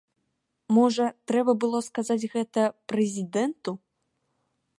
Можа, трэба было сказаць гэта прэзідэнту?